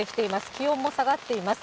気温も下がっています。